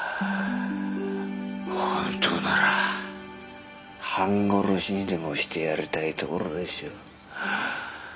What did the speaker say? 本当なら半殺しにでもしてやりたいところでしょう。